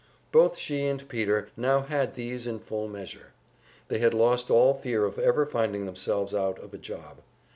Both she and Peter now had these in full measure. They had lost all fear of ever finding themselves out of a job.